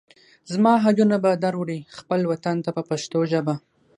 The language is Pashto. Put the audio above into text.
زما هډونه به در وړئ خپل وطن ته په پښتو ژبه.